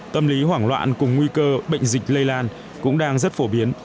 tâm lý hoảng loạn cùng nguy cơ bệnh dịch lây lan cũng đang rất phổ biến